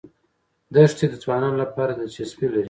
دښتې د ځوانانو لپاره دلچسپي لري.